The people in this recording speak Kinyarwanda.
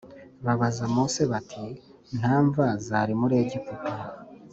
Babaza mose bati nta mva zari muri egiputa